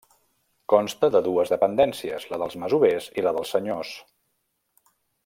Consta de dues dependències, la dels masovers i la dels senyors.